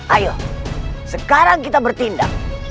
ayo sekarang kita bertindak